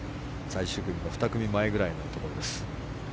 最終組の２組前ぐらいのところです。